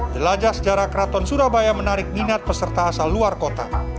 jelajah sejarah keraton surabaya menarik minat peserta asal luar kota